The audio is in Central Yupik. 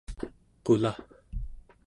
qulaᵉ